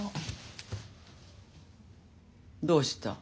どうした？